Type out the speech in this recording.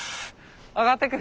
上がってく。